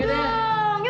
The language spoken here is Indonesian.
yang banyak yang banyak